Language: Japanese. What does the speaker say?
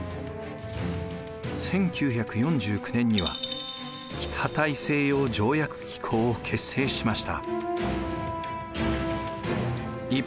１９４９年には北大西洋条約機構を結成しました。